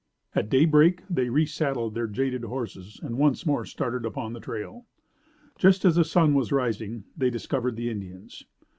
At daybreak they re saddled their jaded horses and once more started upon the trail. Just as the sun was rising they discovered the Indians.